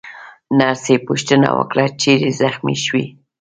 نرسې پوښتنه وکړه: چیرې زخمي شوې؟